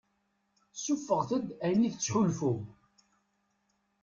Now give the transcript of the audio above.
Ssuffɣet-d ayen i tettḥulfum.